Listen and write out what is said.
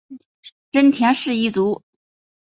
真田氏一族。